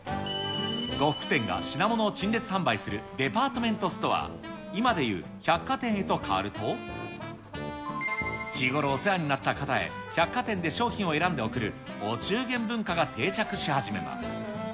呉服店が品物を陳列販売するデパートメントストア、今でいう百貨店へと変わると、日頃お世話になった方へ、百貨店で商品を選んで贈るお中元文化が定着し始めます。